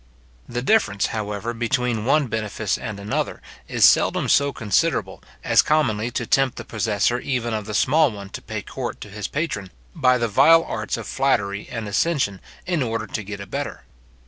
The difference, however, between one benefice and another, is seldom so considerable, as commonly to tempt the possessor even of the small one to pay court to his patron, by the vile arts of flattery and assentation, in order to get a better.